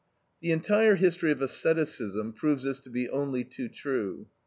The entire history of asceticism proves this to be only too true.